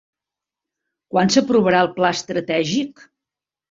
Quan s'aprovarà el pla estratègic?